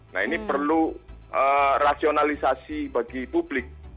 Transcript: nah ini perlu rasionalisasi bagi publik